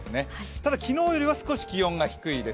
ただ、昨日よりは少し気温が低いです。